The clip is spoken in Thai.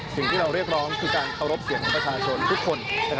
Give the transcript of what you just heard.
สิ่งที่เราเรียกร้องคือการเคารพเสียงของประชาชนทุกคน